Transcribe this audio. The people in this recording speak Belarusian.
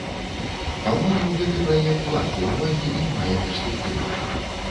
Па-мойму, гэты праект варты ўвагі і мае перспектыву.